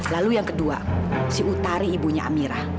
lalu yang kedua si utari ibunya amirah